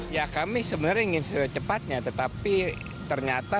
ya kami sebenarnya ingin secepatnya tetapi ternyata